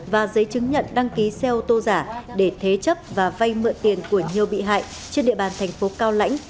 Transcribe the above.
và giấy chứng nhận đăng ký xe ô tô giả để thế chấp và vay mượn tiền của nhiều bị hại trên địa bàn thành phố cao lãnh